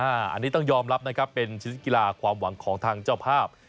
อันนี้ต้องยอมรับนะครับเป็นชนิดกีฬาความหวังของทางเจ้าภาพ